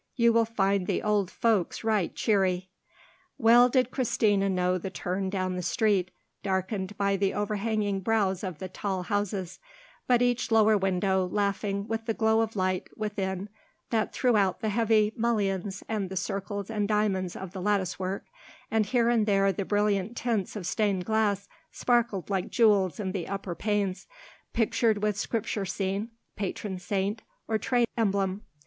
You will find the old folks right cheery." Well did Christina know the turn down the street, darkened by the overhanging brows of the tall houses, but each lower window laughing with the glow of light within that threw out the heavy mullions and the circles and diamonds of the latticework, and here and there the brilliant tints of stained glass sparkled like jewels in the upper panes, pictured with Scripture scene, patron saint, or trade emblem.